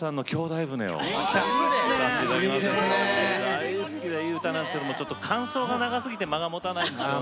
大好きでいい歌なんですけども間奏が長すぎて間がもたないんですよね。